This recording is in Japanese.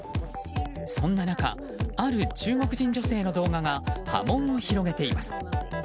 そんな中ある中国人女性の動画が波紋を広げています。